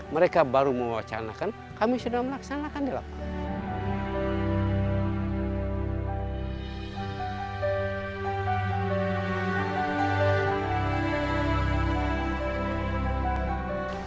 mereka baru mewacanakan kami sudah melaksanakan di lapangan